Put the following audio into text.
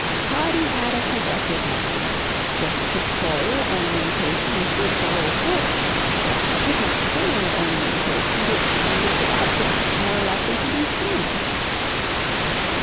Toddie had a progressive mind if pictorial ornamentation was good for old books, why should not similar ornamentation be extended to objects more likely to be seen?